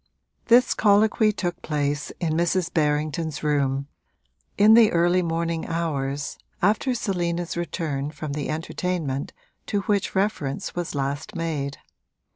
This colloquy took place in Mrs. Berrington's room, in the early morning hours, after Selina's return from the entertainment to which reference was last made.